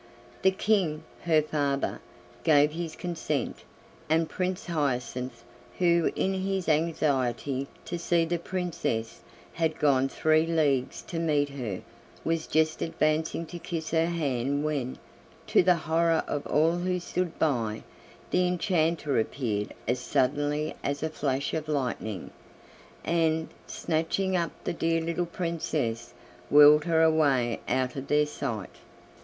The King, her father, gave his consent; and Prince Hyacinth, who, in his anxiety to see the Princess, had gone three leagues to meet her was just advancing to kiss her hand when, to the horror of all who stood by, the enchanter appeared as suddenly as a flash of lightning, and, snatching up the Dear Little Princess, whirled her away out of their sight!